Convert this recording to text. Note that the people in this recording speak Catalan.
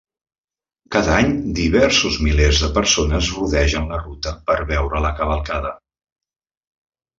Cada any, diversos milers de persones rodegen la ruta per veure la cavalcada.